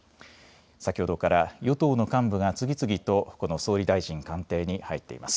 先ほどから与党の幹部が次々とこの総理大臣官邸に入っています。